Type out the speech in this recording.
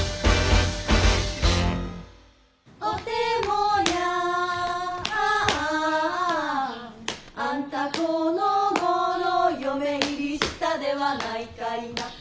「おてもやんあんた此頃嫁入りしたではないかいな」